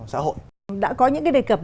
xã hội đã có những cái đề cập